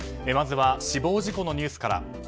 まずは死亡事故のニュースから。